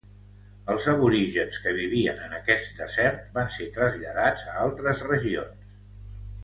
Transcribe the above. Els aborígens que vivien en aquest desert van ser traslladats a altres regions.